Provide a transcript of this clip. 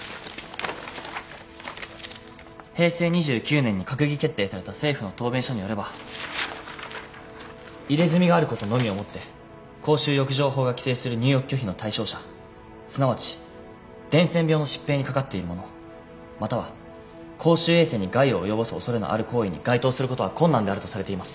平成２９年に閣議決定された政府の答弁書によれば入れ墨があることのみをもって公衆浴場法が規定する入浴拒否の対象者すなわち伝染病の疾病にかかっている者または公衆衛生に害を及ぼす恐れのある行為に該当することは困難であるとされています。